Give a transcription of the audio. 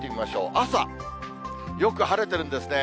朝、よく晴れてるんですね。